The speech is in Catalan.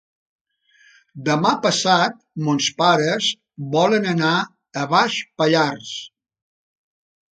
Demà passat mons pares volen anar a Baix Pallars.